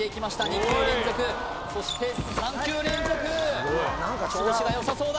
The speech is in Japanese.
２球連続そして３球連続調子が良さそうだ